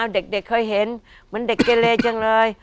เด็กเคยเห็นเหมือนเด็กเกเลจังเลย